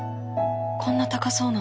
こんな高そうな。